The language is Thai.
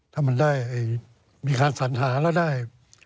ถ้ามันได้คำสั่นตัวแล้วได้